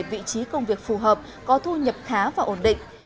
vị trí công việc phù hợp có thu nhập khá và ổn định